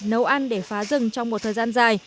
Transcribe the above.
nấu ăn để phá rừng trong một thời gian dài